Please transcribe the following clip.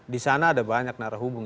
di sana ada banyak narah hubung